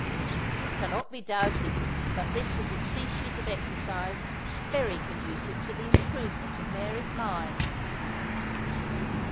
It cannot be doubted, but that this was a species of exercise very conducive to the improvement of Mary's mind.